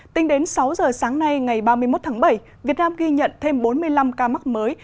tính đến sáu giờ sáng nay ngày ba mươi một tháng bảy việt nam ghi nhận thêm bốn mươi năm ca mắc mới